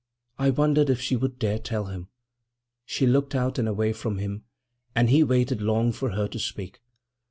I wondered if she would dare tell him. She looked out and away from him, and he waited long for her to speak.